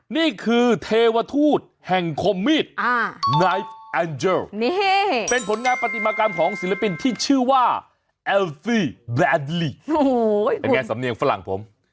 นี่คือเทวทูตแห่งคมมีดนายแอนเจิลนี่เป็นผลงานปฏิมากรรมของศิลปินที่ชื่อว่าแอลซี่แบรนด์ลิกเป็นไงสำเนียงฝรั่งผม